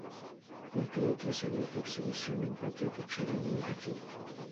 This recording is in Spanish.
Consta de tres salas de exhibición, un patio techado y un jardín.